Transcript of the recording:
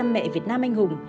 ba trăm linh mẹ việt nam anh hùng